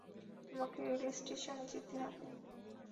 তোমাকে রেলস্টেশনে যেতে হবে।